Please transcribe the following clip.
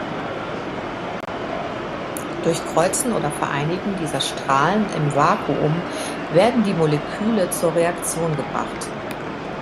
Durch Kreuzen oder Vereinigen dieser Strahlen im Vakuum werden die Moleküle zur Reaktion gebracht.